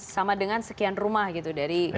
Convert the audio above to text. sama dengan sekian rumah gitu